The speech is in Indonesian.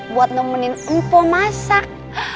buat nemenin mpo masak